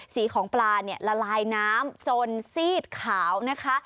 สีของปลาเนี่ยละลายน้ำจนซีดขาวนะคะ